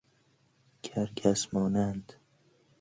کرکس مانند